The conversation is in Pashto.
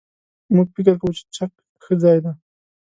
موږ فکر کوو چې چک ښه ځای دی.